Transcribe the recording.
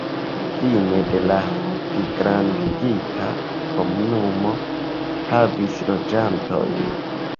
Fine de la pligrandigita komunumo havis loĝantojn.